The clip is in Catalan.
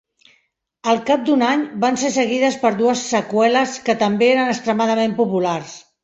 Al cap d'un any, van ser seguides per dues seqüeles que també eren extremadament populars.